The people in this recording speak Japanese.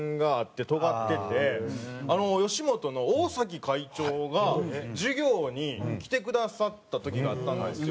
吉本の大会長が授業に来てくださった時があったんですよ。